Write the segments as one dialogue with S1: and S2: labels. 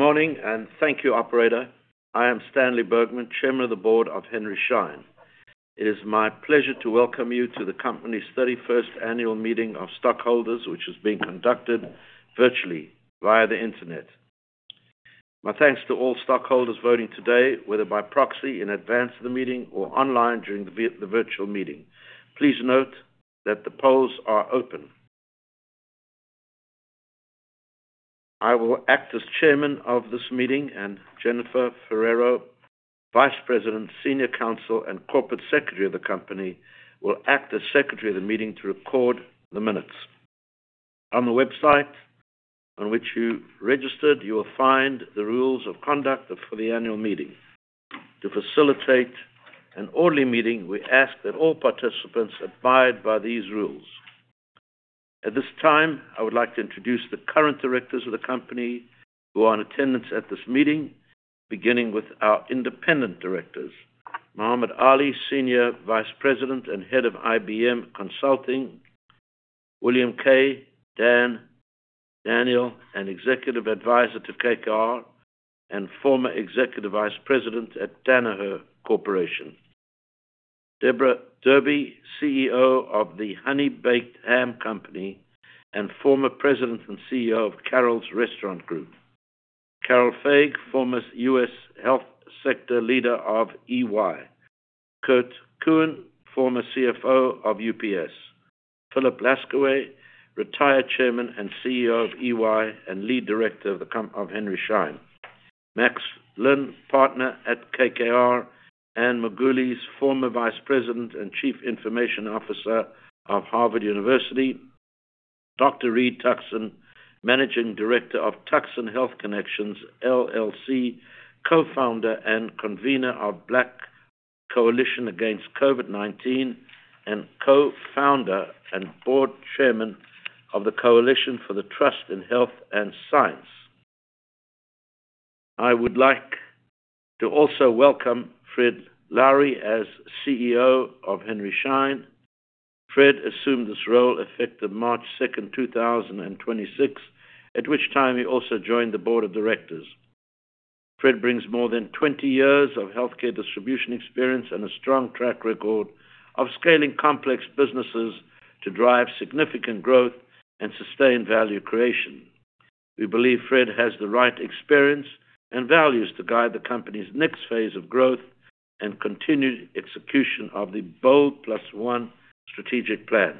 S1: Morning, and thank you, operator. I am Stanley Bergman, Chairman of the Board of Henry Schein. It is my pleasure to welcome you to the company's 31st annual meeting of stockholders, which is being conducted virtually via the internet. My thanks to all stockholders voting today, whether by proxy in advance of the meeting or online during the virtual meeting. Please note that the polls are open. I will act as chairman of this meeting, and Jennifer Ferrero, Vice President, Senior Counsel, and Corporate Secretary of the company, will act as secretary of the meeting to record the minutes. On the website on which you registered, you will find the rules of conduct for the annual meeting. To facilitate an orderly meeting, we ask that all participants abide by these rules. At this time, I would like to introduce the current directors of the company who are in attendance at this meeting, beginning with our independent directors. Mohamad Ali, Senior Vice President and Head of IBM Consulting. William K. Daniel, an Executive Advisor to KKR and former Executive Vice President at Danaher Corporation. Deborah Derby, CEO of The Honey Baked Ham Company and former President and CEO of Carrols Restaurant Group. Carole T. Faig, former U.S. Health Sector Leader of EY. Kurt P. Kuehn, former CFO of UPS. Philip Laskawy, retired Chairman and CEO of EY and Lead Director of Henry Schein. Max Lin, Partner at KKR. Anne H. Margulies, former Vice President and Chief Information Officer of Harvard University. Dr. Reed V. Tuckson, Managing Director of Tuckson Health Connections, LLC, Co-founder and Convener of Black Coalition Against COVID, and Co-founder and Board Chairman of the Coalition for Trust in Health & Science. I would like to also welcome Fred Lowery as CEO of Henry Schein. Fred assumed this role effective March 2nd, 2026, at which time he also joined the board of directors. Fred brings more than 20 years of healthcare distribution experience and a strong track record of scaling complex businesses to drive significant growth and sustain value creation. We believe Fred has the right experience and values to guide the company's next phase of growth and continued execution of the BOLD+1 strategic plan.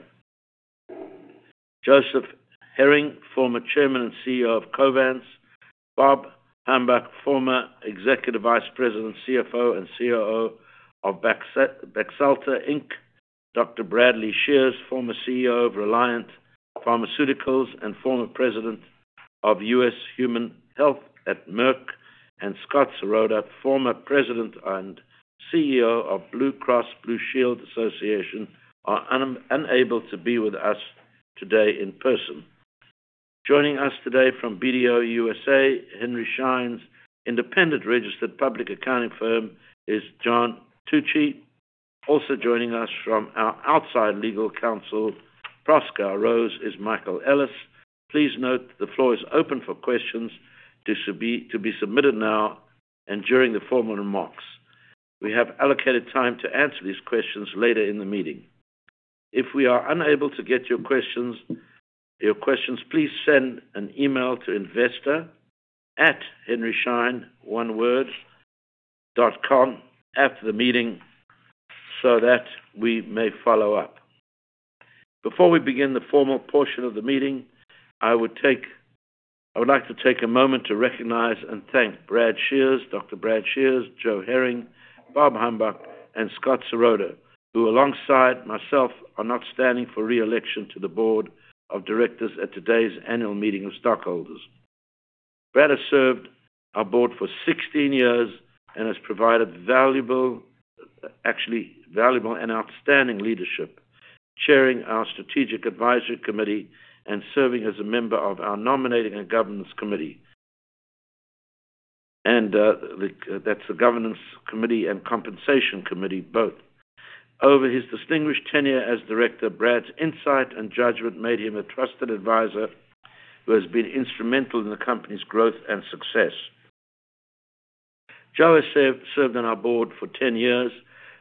S1: Joseph L. Herring, former Chairman and CEO of Covance. Robert J. Hombach, former Executive Vice President, CFO, and COO of Baxalta Inc. Dr. Bradley T. Sheares, former CEO of Reliant Pharmaceuticals and former President of US Human Health at Merck. Scott Serota, former President and CEO of Blue Cross Blue Shield Association, are unable to be with us today in person. Joining us today from BDO USA, Henry Schein's independent registered public accounting firm, is John Tucci. Also joining us from our outside legal counsel, Proskauer Rose, is Michael Ellis. Please note the floor is open for questions to be submitted now and during the formal remarks. We have allocated time to answer these questions later in the meeting. If we are unable to get to your questions, please send an email to investor@henryschein.com after the meeting so that we may follow up. Before we begin the formal portion of the meeting, I would like to take a moment to recognize and thank Brad Sheares, Dr. Brad Sheares, Joe Herring, Bob Humbach, and Scott Serota, who alongside myself, are not standing for re-election to the board of directors at today's annual meeting of stockholders. Bradley has served our board for 16 years and has provided valuable and outstanding leadership, chairing our Strategic Advisory Committee and serving as a member of our Nominating and Governance Committee. That's the Governance Committee and Compensation Committee both. Over his distinguished tenure as director, Bradley's insight and judgment made him a trusted advisor who has been instrumental in the company's growth and success. Joseph has served on our board for 10 years.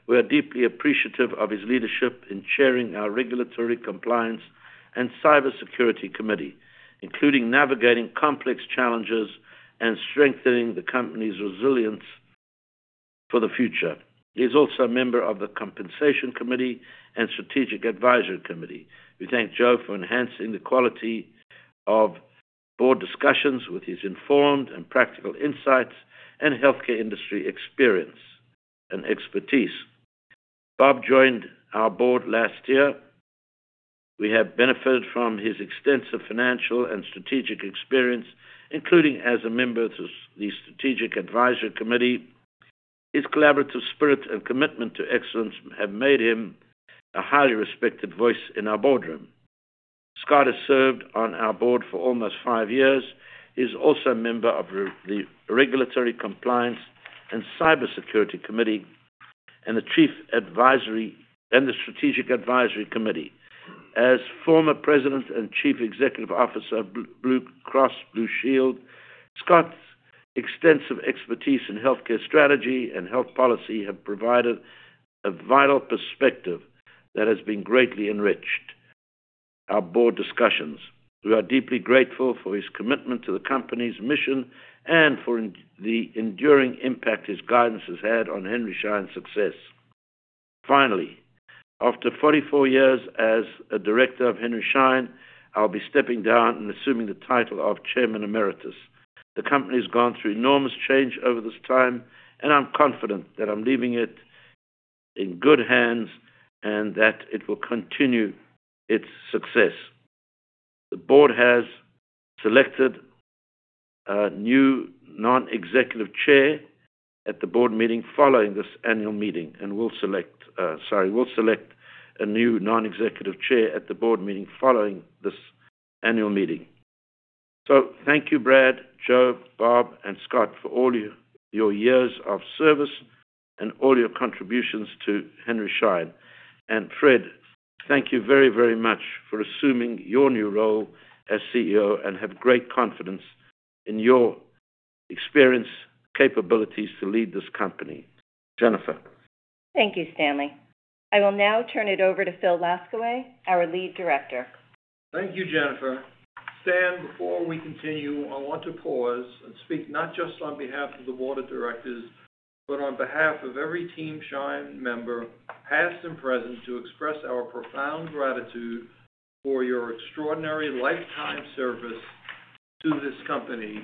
S1: We are deeply appreciative of his leadership in chairing our Regulatory Compliance and Cybersecurity Committee, including navigating complex challenges and strengthening the company's resilience for the future. He's also a member of the Compensation Committee and Strategic Advisory Committee. We thank Joseph for enhancing the quality of board discussions with his informed and practical insights and healthcare industry experience and expertise. Robert joined our board last year. We have benefited from his extensive financial and strategic experience, including as a member to the Strategic Advisory Committee. His collaborative spirit and commitment to excellence have made him a highly respected voice in our boardroom. Scott has served on our board for almost five years. He's also a member of the Regulatory Compliance and Cybersecurity Committee and the Strategic Advisory Committee. As former President and Chief Executive Officer of Blue Cross Blue Shield, Scott's extensive expertise in healthcare strategy and health policy have provided a vital perspective that has been greatly enriching our board discussions. We are deeply grateful for his commitment to the company's mission and for the enduring impact his guidance has had on Henry Schein's success. Finally, after 44 years as a Director of Henry Schein, I'll be stepping down and assuming the title of Chairman Emeritus. The company's gone through enormous change over this time, and I'm confident that I'm leaving it in good hands and that it will continue its success. The board has selected a new non-executive chair at the board meeting following this annual meeting and will select a new non-executive chair at the board meeting following this annual meeting. Thank you, Brad, Joe, Bob Hombach, and Scott Serota, for all your years of service and all your contributions to Henry Schein. Fred, thank you very, very much for assuming your new role as CEO. I have great confidence in your experience, capabilities to lead this company. Jennifer.
S2: Thank you, Stanley. I will now turn it over to Philip Laskawy, our Lead Director.
S3: Thank you, Jennifer. Stan, before we continue, I want to pause and speak not just on behalf of the Board of Directors, but on behalf of every Team Schein member, past and present, to express our profound gratitude for your extraordinary lifetime service to this company.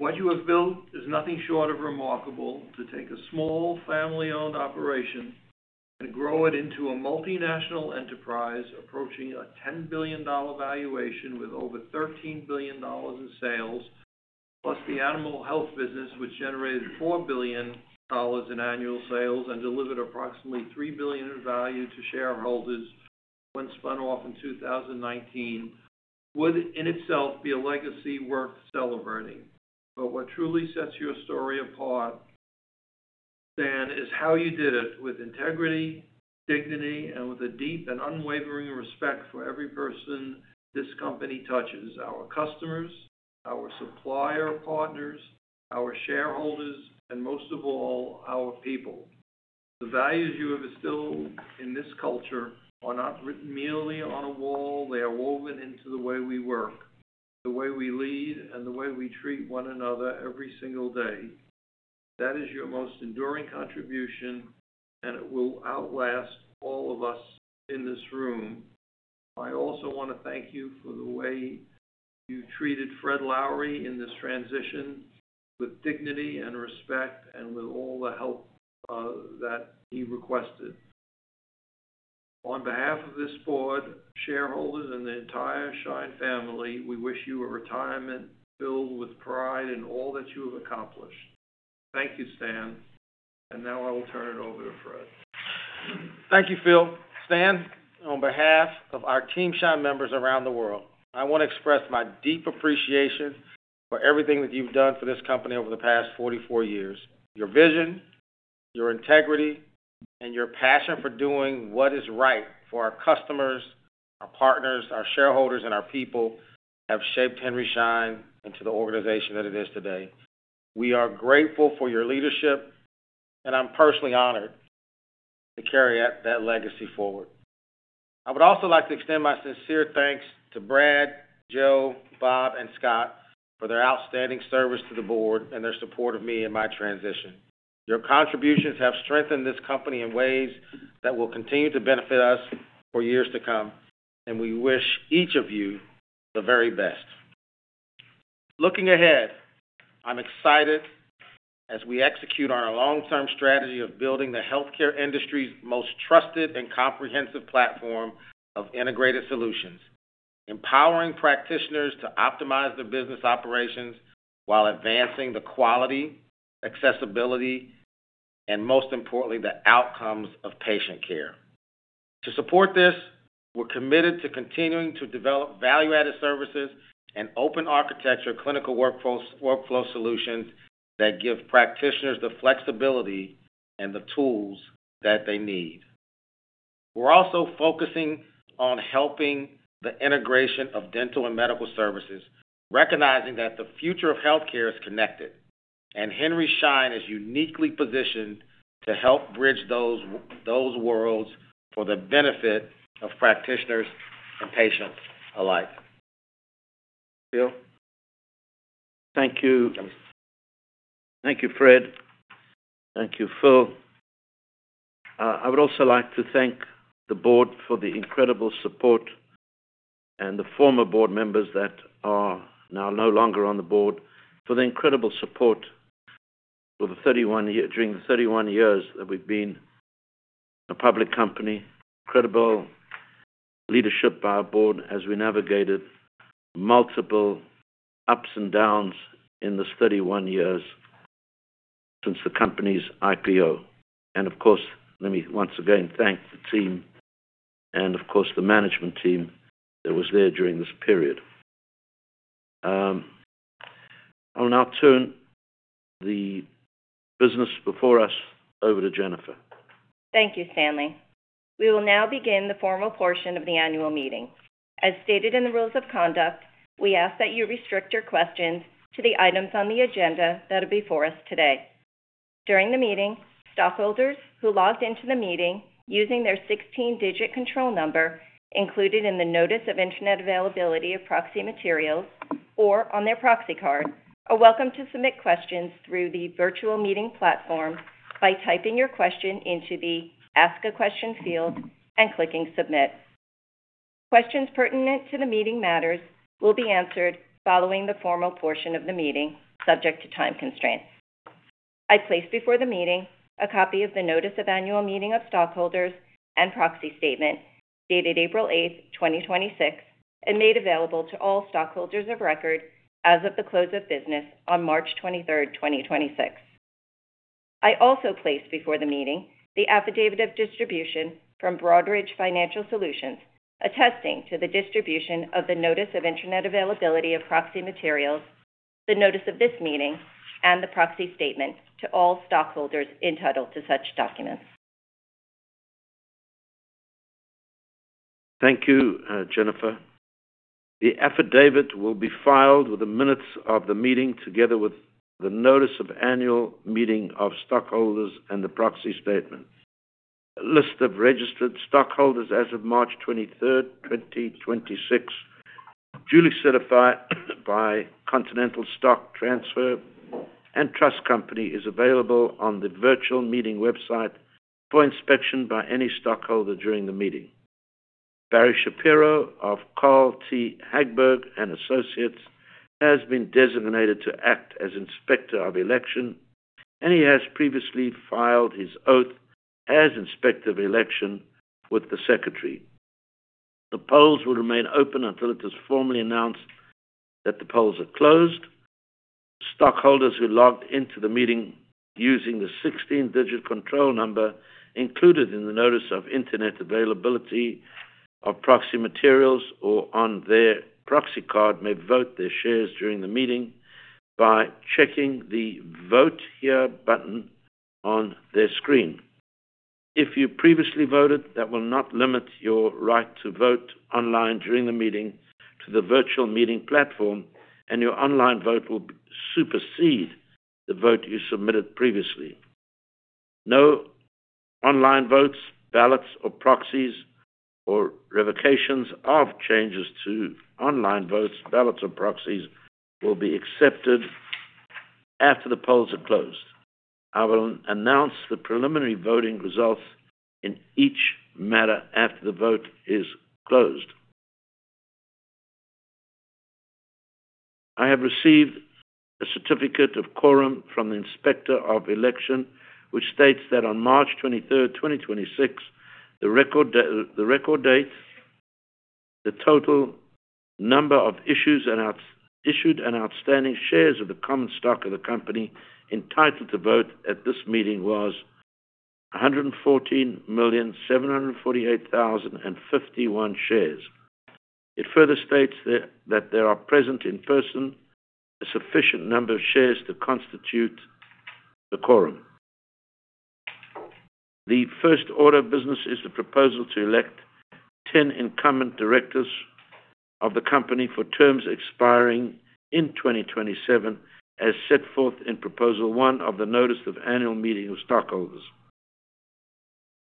S3: What you have built is nothing short of remarkable. To take a small family-owned operation and grow it into a multinational enterprise approaching a $10 billion valuation with over $13 billion in sales, plus the animal health business, which generated $4 billion in annual sales and delivered approximately $3 billion in value to shareholders when spun off in 2019, would in itself be a legacy worth celebrating. What truly sets your story apart, Stanley Bergman, is how you did it with integrity, dignity, and with a deep and unwavering respect for every person this company touches, our customers, our supplier partners, our shareholders, and most of all, our people. The values you have instilled in this culture are not written merely on a wall. They are woven into the way we work, the way we lead, and the way we treat one another every single day. That is your most enduring contribution, and it will outlast all of us in this room. I also want to thank you for the way you treated Fred Lowery in this transition with dignity and respect and with all the help that he requested. On behalf of this board, shareholders, and the entire Team Schein, we wish you a retirement filled with pride in all that you have accomplished. Thank you, Stan. Now I will turn it over to Fred.
S4: Thank you, Phil. Stan, on behalf of our Team Schein members around the world, I want to express my deep appreciation for everything that you've done for this company over the past 44 years. Your vision, your integrity, and your passion for doing what is right for our customers, our partners, our shareholders, and our people have shaped Henry Schein into the organization that it is today. We are grateful for your leadership, and I'm personally honored to carry that legacy forward. I would also like to extend my sincere thanks to Brad, Joe, Bob, and Scott for their outstanding service to the board and their support of me in my transition. Your contributions have strengthened this company in ways that will continue to benefit us for years to come, and we wish each of you the very best. Looking ahead, I'm excited as we execute our long-term strategy of building the healthcare industry's most trusted and comprehensive platform of integrated solutions, empowering practitioners to optimize their business operations while advancing the quality, accessibility, and most importantly, the outcomes of patient care. To support this, we're committed to continuing to develop value-added services and open architecture clinical workflow solutions that give practitioners the flexibility and the tools that they need. We're also focusing on helping the integration of dental and medical services, recognizing that the future of healthcare is connected, and Henry Schein is uniquely positioned to help bridge those worlds for the benefit of practitioners and patients alike. Phil.
S1: Thank you. Thank you, Fred. Thank you, Phil. I would also like to thank the board for the incredible support and the former board members that are now no longer on the board for the incredible support during the 31 years that we've been a public company. Incredible leadership by our board as we navigated multiple ups and downs in this 31 years since the company's IPO. Of course, let me once again thank the team and of course, the management team that was there during this period. I will now turn the business before us over to Jennifer.
S2: Thank you, Stanley. We will now begin the formal portion of the annual meeting. As stated in the rules of conduct, we ask that you restrict your questions to the items on the agenda that are before us today. During the meeting, stockholders who logged into the meeting using their 16-digit control number included in the notice of Internet availability of proxy materials or on their proxy card, are welcome to submit questions through the virtual meeting platform by typing your question into the Ask a Question field and clicking Submit. Questions pertinent to the meeting matters will be answered following the formal portion of the meeting, subject to time constraints. I place before the meeting a copy of the Notice of Annual Meeting of Stockholders and Proxy Statement, dated April 8th, 2026, and made available to all stockholders of record as of the close of business on March 23rd, 2026. I also placed before the meeting the Affidavit of Distribution from Broadridge Financial Solutions, attesting to the distribution of the notice of Internet availability of proxy materials, the notice of this meeting, and the proxy statement to all stockholders entitled to such documents.
S1: Thank you, Jennifer. The affidavit will be filed with the minutes of the meeting together with the notice of annual meeting of stockholders and the proxy statement. List of registered stockholders as of March 23rd, 2026, duly certified by Continental Stock Transfer & Trust Company is available on the virtual meeting website for inspection by any stockholder during the meeting. Barry Shapiro of Carl T. Hagberg & Associates has been designated to act as Inspector of Election, and he has previously filed his oath as Inspector of Election with the Secretary. The polls will remain open until it is formally announced that the polls are closed. Stockholders who logged into the meeting using the 16-digit control number included in the notice of Internet availability of proxy materials or on their proxy card may vote their shares during the meeting by checking the Vote Here button on their screen. If you previously voted, that will not limit your right to vote online during the meeting to the virtual meeting platform, and your online vote will supersede the vote you submitted previously. No online votes, ballots, or proxies, or revocations of changes to online votes, ballots, or proxies will be accepted after the polls are closed. I will announce the preliminary voting results in each matter after the vote is closed. I have received a certificate of quorum from the Inspector of Election, which states that on March 23rd, 2026, the record date, the total number of issued and outstanding shares of the common stock of the company entitled to vote at this meeting was 114,748,051 shares. It further states that there are present in person a sufficient number of shares to constitute the quorum. The first order of business is the proposal to elect 10 incumbent directors of the company for terms expiring in 2027, as set forth in Proposal 1 of the Notice of Annual Meeting of Stockholders.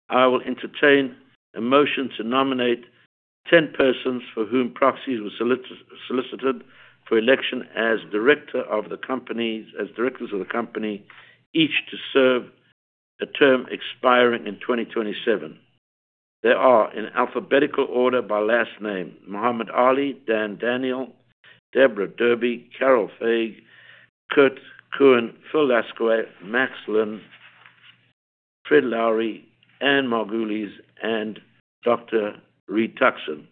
S1: I will entertain a motion to nominate 10 persons for whom proxies were solicited for election as directors of the company, each to serve a term expiring in 2027. They are, in alphabetical order by last name, Mohamad Ali, Dan Daniel, Deborah Derby, Carole Faig, Kurt Kuehn, Phil Laskawy, Max Lin, Fred Lowery, Anne Margulies, and Dr. Reed Tuckson.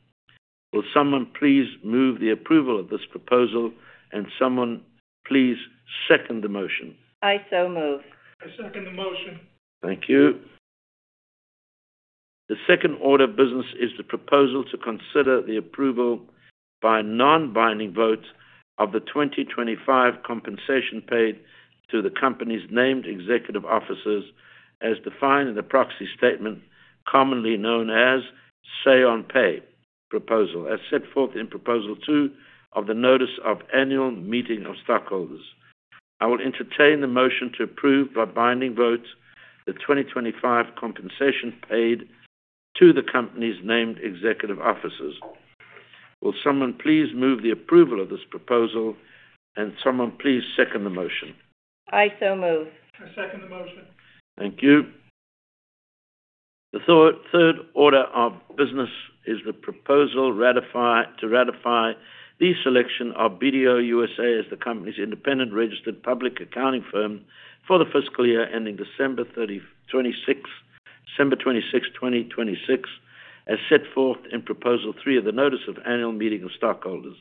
S1: Will someone please move the approval of this proposal, and someone please second the motion?
S2: I so move.
S3: I second the motion.
S1: Thank you. The second order of business is the proposal to consider the approval by non-binding votes of the 2025 compensation paid to the company's named executive officers as defined in the proxy statement, commonly known as Say on Pay proposal, as set forth in Proposal 2 of the Notice of Annual Meeting of Stockholders. I will entertain the motion to approve by binding votes the 2025 compensation paid to the company's named executive officers. Will someone please move the approval of this proposal, and someone please second the motion?
S2: I so move.
S3: I second the motion.
S1: Thank you. The third order of business is the proposal to ratify the selection of BDO USA as the company's independent registered public accounting firm for the fiscal year ending December 26th, 2026, as set forth in Proposal 3 of the Notice of Annual Meeting of Stockholders.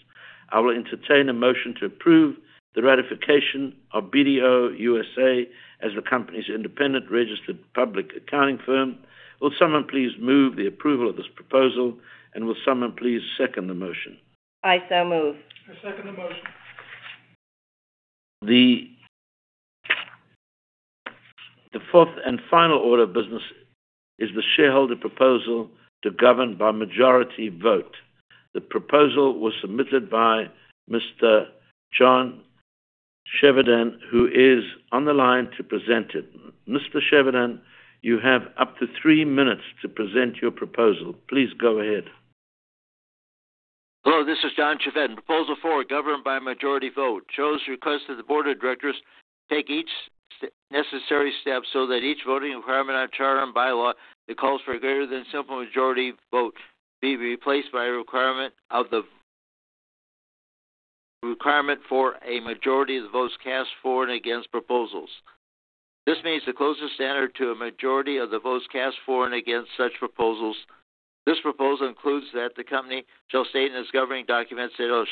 S1: I will entertain a motion to approve the ratification of BDO USA as the company's independent registered public accounting firm. Will someone please move the approval of this proposal, will someone please second the motion?
S2: I so move.
S3: I second the motion.
S1: The fourth and final order of business is the shareholder proposal to govern by majority vote. The proposal was submitted by Mr. John Chevedden, who is on the line to present it. Mr. Chevedden, you have up to three minutes to present your proposal. Please go ahead.
S5: Hello, this is John Chevedden. Proposal 4, govern by majority vote, shows request to the Board of Directors take each necessary step so that each voting requirement on charter and bylaw that calls for greater than simple majority vote be replaced by a requirement for a majority of the votes cast for and against proposals. This means the closest standard to a majority of the votes cast for and against such proposals. This proposal includes that the company shall state in its governing documents it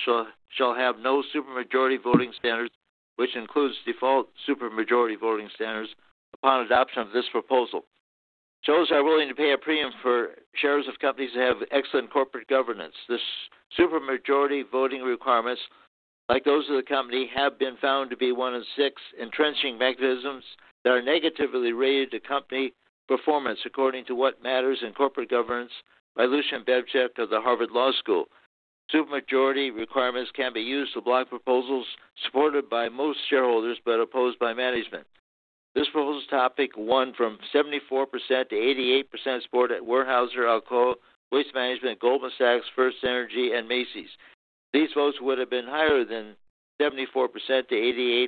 S5: shall have no super majority voting standards, which includes default super majority voting standards upon adoption of this proposal. Shares are willing to pay a premium for shares of companies that have excellent corporate governance. The super majority voting requirements, like those of the company, have been found to be one of six entrenching mechanisms that are negatively rated to company performance, according to What Matters in Corporate Governance by Lucian Bebchuk of the Harvard Law School. Super majority requirements can be used to block proposals supported by most shareholders but opposed by management. This proposal's topic won from 74%-88% support at Weyerhaeuser, Waste Management, Goldman Sachs, FirstEnergy, and Macy's. These votes would have been higher than 74%-88%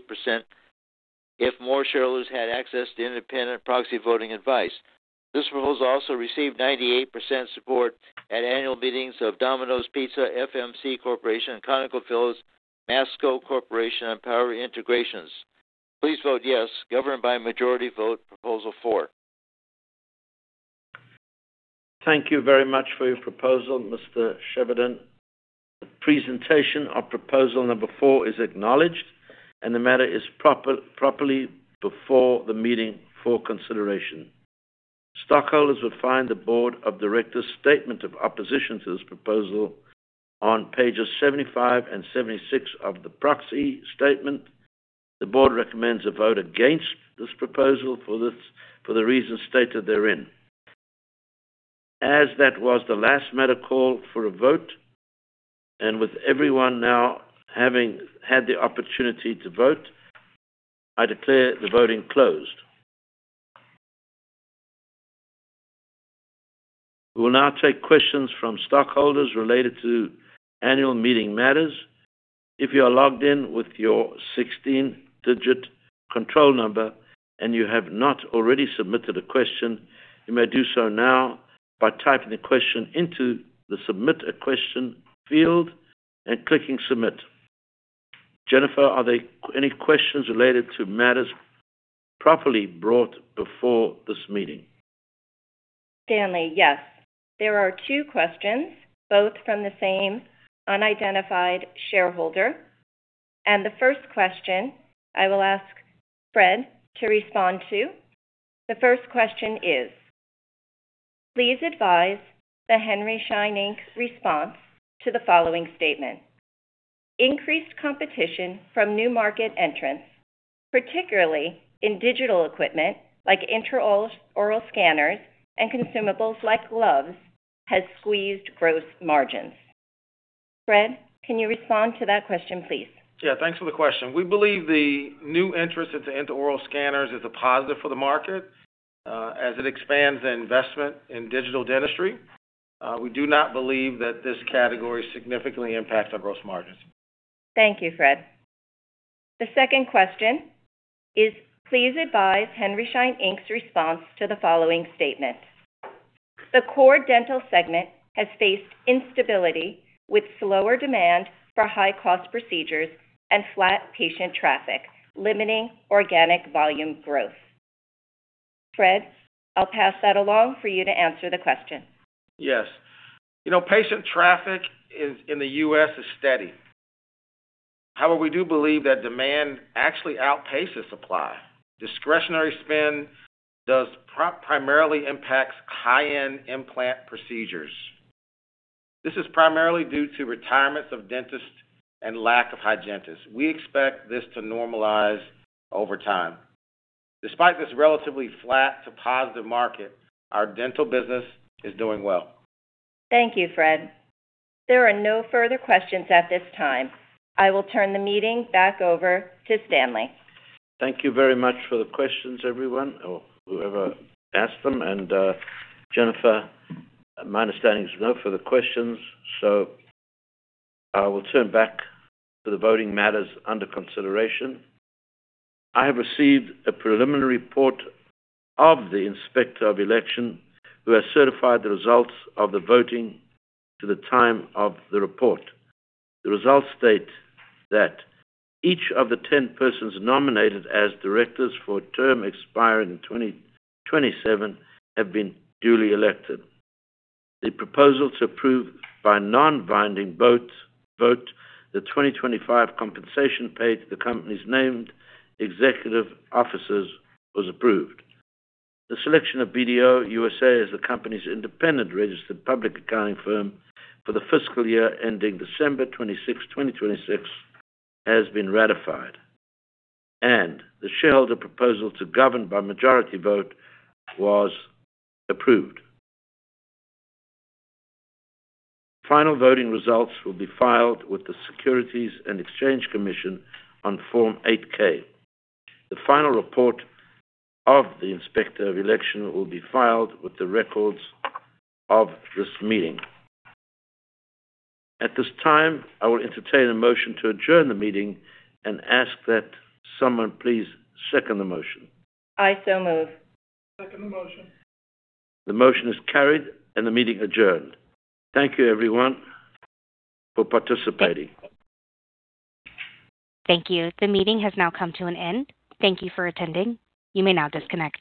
S5: if more shareholders had access to independent proxy voting advice. This proposal also received 98% support at annual meetings of Domino's Pizza, FMC Corporation, ConocoPhillips, Masco Corporation, and Power Integrations. Please vote yes. Govern by majority vote, proposal 4.
S1: Thank you very much for your proposal, Mr. Chevedden. The presentation of proposal number 4 is acknowledged, and the matter is properly before the meeting for consideration. Stockholders will find the board of directors statement of opposition to this proposal on pages 75 and 76 of the proxy statement. The board recommends a vote against this proposal for the reasons stated therein. As that was the last matter called for a vote, and with everyone now having had the opportunity to vote, I declare the voting closed. We will now take questions from stockholders related to annual meeting matters. If you are logged in with your 16-digit control number and you have not already submitted a question, you may do so now by typing a question into the Submit a Question field and clicking Submit. Jennifer, are there any questions related to matters properly brought before this meeting?
S2: Stanley, yes. There are two questions, both from the same unidentified shareholder, and the first question I will ask Fred to respond to. The first question is, "Please advise the Henry Schein, Inc. response to the following statement. Increased competition from new market entrants, particularly in digital equipment like intraoral scanners and consumables like gloves, has squeezed gross margins." Fred, can you respond to that question, please?
S4: Thanks for the question. We believe the new interest into intraoral scanners is a positive for the market, as it expands the investment in digital dentistry. We do not believe that this category significantly impacts our gross margins.
S2: Thank you, Fred. The second question is, "Please advise Henry Schein, Inc.'s response to the following statement. The core dental segment has faced instability with slower demand for high-cost procedures and flat patient traffic, limiting organic volume growth." Fred, I'll pass that along for you to answer the question.
S4: Yes. Patient traffic in the U.S. is steady. However, we do believe that demand actually outpaces supply. Discretionary spend does primarily impact high-end implant procedures. This is primarily due to retirements of dentists and lack of hygienists. We expect this to normalize over time. Despite this relatively flat to positive market, our dental business is doing well.
S2: Thank you, Fred. There are no further questions at this time. I will turn the meeting back over to Stanley.
S1: Thank you very much for the questions, everyone, or whoever asked them. Jennifer, my understanding is no further questions, so I will turn back to the voting matters under consideration. I have received a preliminary report of the Inspector of Election, who has certified the results of the voting to the time of the report. The results state that each of the 10 persons nominated as directors for a term expiring in 2027 have been duly elected. The proposal to approve by non-binding vote the 2025 compensation paid to the company's named executive officers was approved. The selection of BDO USA as the company's independent registered public accounting firm for the fiscal year ending December 26, 2026, has been ratified, and the shareholder proposal to govern by majority vote was approved. Final voting results will be filed with the Securities and Exchange Commission on Form 8-K. The final report of the inspector of election will be filed with the records of this meeting. At this time, I will entertain a motion to adjourn the meeting and ask that someone please second the motion.
S2: I so move.
S3: Second the motion.
S1: The motion is carried and the meeting adjourned. Thank you everyone for participating.
S6: Thank you. The meeting has now come to an end. Thank you for attending. You may now disconnect.